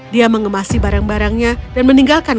dia mengemasi barang barangnya dan meninggalkan